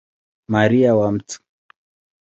Maria wa Mt.